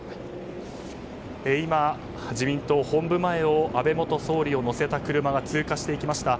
今、自民党本部前を安倍元総理を乗せた車が通過していきました。